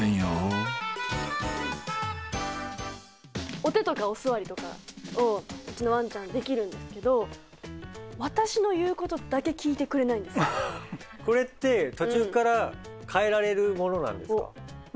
お手とかお座りとかをうちのワンちゃんできるんですけどこれって途中から変えられるものなんですか？